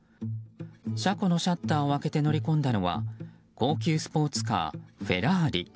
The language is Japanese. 車庫のシャッターを開けて乗り込んだのは高級スポーツカー、フェラーリ。